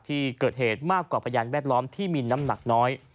ที่เกิดเหตุมากกว่าพยานแวดล้อมที่มีน้ำหนักน้อย